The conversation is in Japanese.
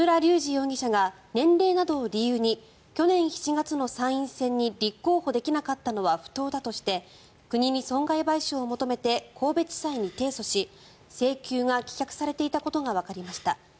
容疑者が年齢などを理由に去年７月の参院選に立候補できなかったことは不当だとして国に損害賠償を求めて神戸地裁に提訴し請求が棄却されていたことがわかりました。